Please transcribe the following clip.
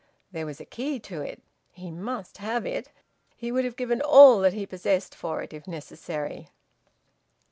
There was a key to it. He must have it. He would have given all that he possessed for it, if necessary.